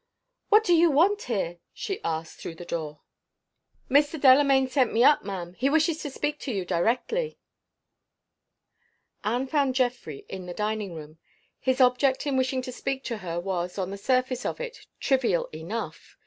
"What do you want here?" she asked, through the door. "Mr. Delamayn sent me up, ma'am. He wishes to speak to you directly." Anne found Geoffrey in the dining room. His object in wishing to speak to her was, on the surface of it, trivial enough.